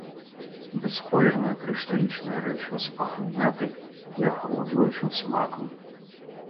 Бясколернае крышталічнае рэчыва з пахам мяты і ахалоджваючым смакам.